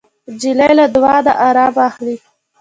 نجلۍ له دعا نه ارام اخلي.